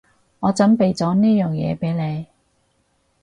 我準備咗呢樣嘢畀你